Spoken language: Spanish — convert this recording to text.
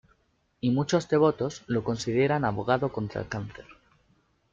Y muchos devotos lo consideran abogado contra el Cáncer.